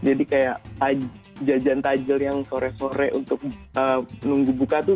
jadi kayak jajan tajil yang sore sore untuk nunggu buka tuh